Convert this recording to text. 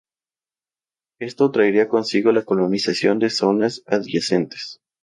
Esto traería consigo la colonización de zonas adyacentes.